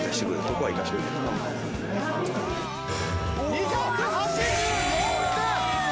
２８４点。